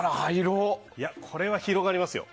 これは広がりますよ。